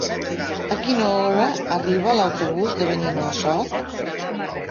A quina hora arriba l'autobús de Benimassot?